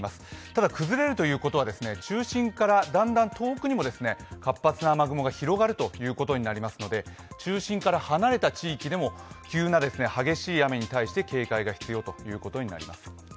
ただ崩れるということは中心からだんだん遠くにも活発な雨雲が広がるということにもなりますので、中心から離れた地域でも急な激しい雨に対して警戒が必要ということになります。